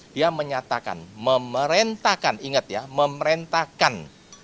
dia menyatakan memerintahkan ingat ya memerintahkan